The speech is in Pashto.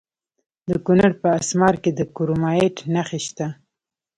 د کونړ په اسمار کې د کرومایټ نښې شته.